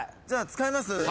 じゃあ使います。